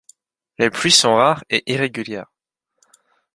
Les pluies sont rares et irrégulières.